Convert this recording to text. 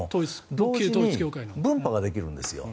同時に分派ができるんですよ。